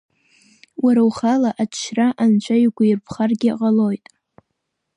Уара ухала аҽшьра Анцәа иугәаирԥхаргьы ҟалоит.